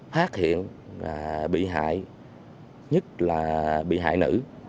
phát hiện bị hại nhất là bị hại nữ